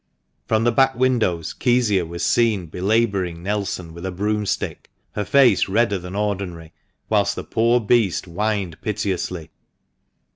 From the back windows Kezia was seen belabouring Nelson with a broomstick, her face redder than ordinary, whilst the poor beast whined piteously.